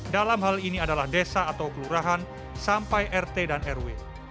dalam hal ini adalah desa atau kelurahan sampai rt dan rw